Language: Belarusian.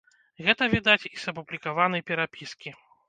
Гэта відаць і з апублікаванай перапіскі.